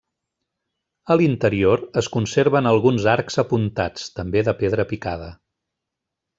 A l'interior es conserven alguns arcs apuntats, també de pedra picada.